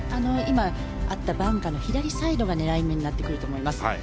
今あったバンカーの左サイドが狙い目になってくると思います。